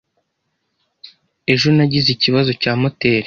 Ejo nagize ikibazo cya moteri.